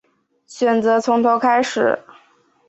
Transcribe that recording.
选择从头开始